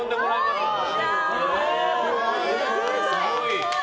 すごい！